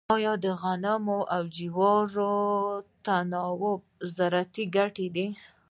آیا د غنمو او جوارو تناوب زراعتي ګټور دی؟